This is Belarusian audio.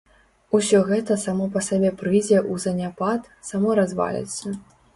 Усё гэта само па сабе прыйдзе ў заняпад, само разваліцца.